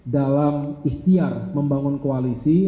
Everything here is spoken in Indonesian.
dalam ihtiar membangun koalisi